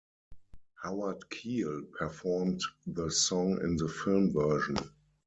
Howard Keel performed the song in the film version.